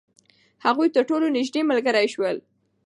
هغوی تر ټولو نژدې ملګري شول.